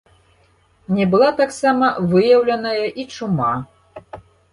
Не была таксама выяўленая і чума.